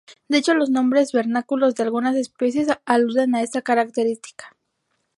De hecho, los nombres vernáculos de algunas especies aluden a esta característica.